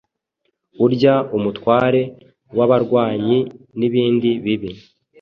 urya umutware wabarwanyi nibindi bibi